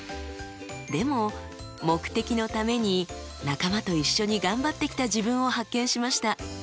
でも目的のために仲間と一緒に頑張ってきた自分を発見しました。